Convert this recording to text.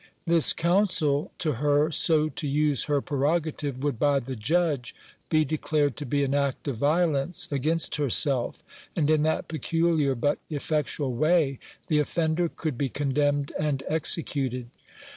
This counsel to her so to use her prerogative would by the Judge be declared to be an act of violence against herself, and in that peculiar but effectual way the offender could be condemned and executed.